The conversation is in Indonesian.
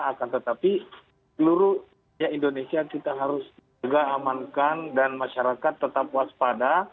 akan tetapi seluruh indonesia kita harus juga amankan dan masyarakat tetap waspada